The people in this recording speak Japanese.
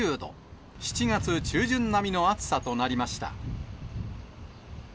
７月中旬並みの暑さとなりました。